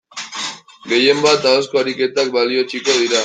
Gehien bat ahozko ariketak balioetsiko dira.